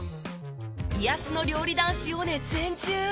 癒やしの料理男子を熱演中。